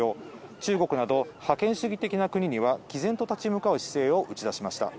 中国など、覇権主義的な国にはきぜんと立ち向かう姿勢を打ち出しました。